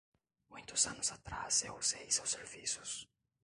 Muitos anos atrás eu usei seus serviços.